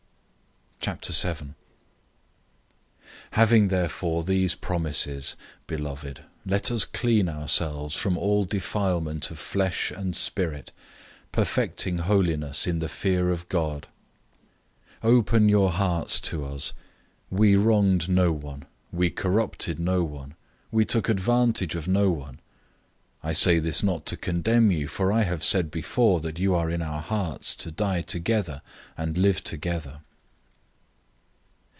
"{2 Samuel 7:14; 7:8} 007:001 Having therefore these promises, beloved, let us cleanse ourselves from all defilement of flesh and spirit, perfecting holiness in the fear of God. 007:002 Open your hearts to us. We wronged no one. We corrupted no one. We took advantage of no one. 007:003 I say this not to condemn you, for I have said before, that you are in our hearts to die together and live together.